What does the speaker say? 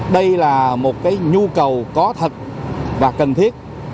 đây là một cái nhu cầu có thật và cần thiết